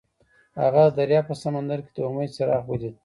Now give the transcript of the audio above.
هغه د دریاب په سمندر کې د امید څراغ ولید.